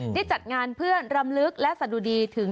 จัดงานเพื่อรำลึกและสะดุดีถึง